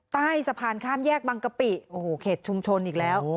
ใต้สะพานข้ามแยกบังกะปิโอ้โหเขตชุมชนอีกแล้ว